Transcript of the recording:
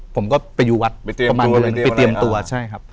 ผมก็ไปอยู่วัดไปเตรียมตัวไปเตรียมตัวใช่ครับ